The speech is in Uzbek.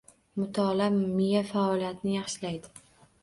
Mutolaa miya faoliyatini yaxshilaydi.